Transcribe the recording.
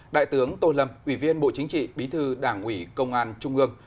đại tướng tô lâm ủy viên bộ chính trị bí thư đảng ủy công an trung ương